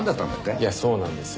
いやそうなんですよ。